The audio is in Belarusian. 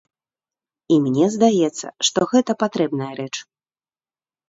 І мне здаецца, што гэта патрэбная рэч.